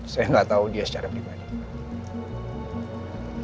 saya nggak tahu dia secara pribadi